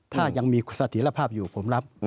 ถ้ายังมีเสถียรภาพอยู่ผมรับ